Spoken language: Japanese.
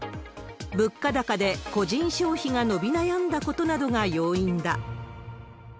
物価高で個人消費が伸び悩んだことなどが要因だ。